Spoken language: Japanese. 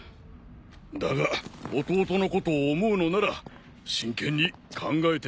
だが弟のことを思うのなら真剣に考えてみるんだな